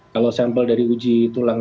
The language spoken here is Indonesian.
kalau sampel dari uji tulang